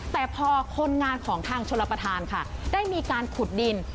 แต่พอคนงานของทางชลประธานค่ะได้มีการขุดดิน